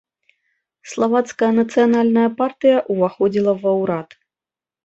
Славацкая нацыянальная партыя ўваходзіла ва ўрад.